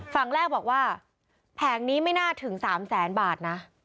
ฝั่งแรกบอกว่าแผงนี้ไม่น่าถึง๓แสนบาทนะ